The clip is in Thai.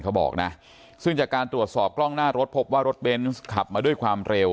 เขาบอกนะซึ่งจากการตรวจสอบกล้องหน้ารถพบว่ารถเบนส์ขับมาด้วยความเร็ว